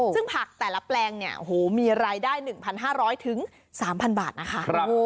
ซึ่งผักแต่ละแปลงเนี่ยโอ้โหมีรายได้๑๕๐๐๓๐๐บาทนะคะ